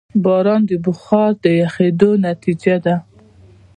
باران د بخار د یخېدو نتیجه ده.